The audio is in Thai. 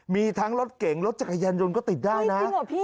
มีทั้งรถเก่งรถจักรยานยนต์ก็ติดได้นะ